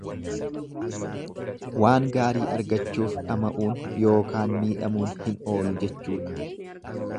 Waan gaarii argachuuf dhama'uun yookaan miidhamuun hin oolu jechuudha.